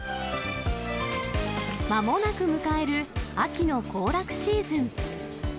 まもなく迎える秋の行楽シーズン。